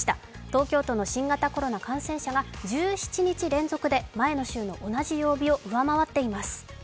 東京都の新型コロナ感染者が１７日連続で前の週の同じ曜日を上回っています。